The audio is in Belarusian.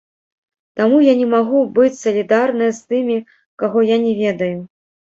Таму я не магу быць салідарная з тымі, каго я не ведаю.